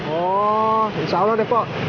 oh insya allah deh pak